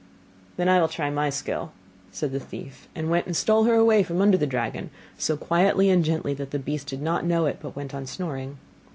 'Then I will try my skill,' said the thief, and went and stole her away from under the dragon, so quietly and gently that the beast did not know it, but went on snoring.